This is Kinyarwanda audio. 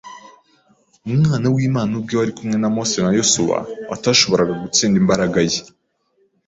Umwana w’Imana ubwe wari kumwe no Mose na Yosuwa atashoboraga gutsinda imbaraga ye